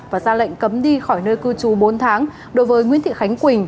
và ra lệnh cấm đi khỏi nơi cư trú bốn tháng đối với nguyễn thị khánh quỳnh